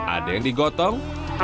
ada yang digotong